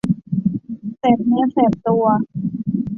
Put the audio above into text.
แสบเนื้อแสบตัว